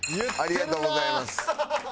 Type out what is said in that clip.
ありがとうございます。